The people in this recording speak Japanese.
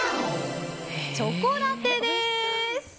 チョコラテです。